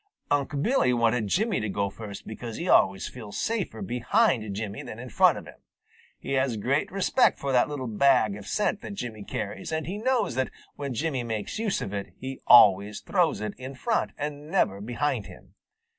Unc' Billy wanted Jimmy to go first because he always feels safer behind Jimmy than in front of him. He has great respect for that little bag of scent that Jimmy carries, and he knows that when Jimmy makes use of it, he always throws it in front and never behind him.